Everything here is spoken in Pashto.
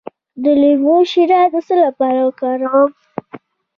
د لیمو شیره د څه لپاره وکاروم؟